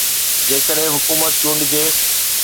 جيڪڏهن حڪومت چونڊجي.